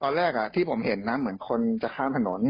ตอนแรกที่ผมเห็นนะเหมือนคนจะข้ามถนน